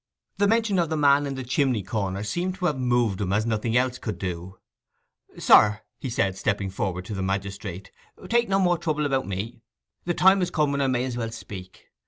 The mention of the man in the chimney corner seemed to have moved him as nothing else could do. 'Sir,' he said, stepping forward to the magistrate, 'take no more trouble about me. The time is come when I may as well speak.